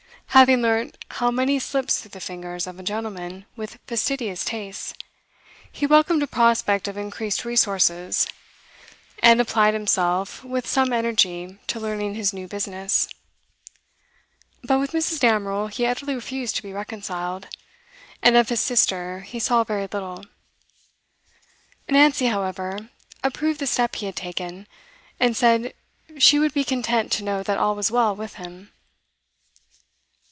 Having learnt how money slips through the fingers of a gentleman with fastidious tastes, he welcomed a prospect of increased resources, and applied himself with some energy to learning his new business. But with Mrs. Damerel he utterly refused to be reconciled, and of his sister he saw very little. Nancy, however, approved the step he had taken, and said she would be content to know that all was well with him.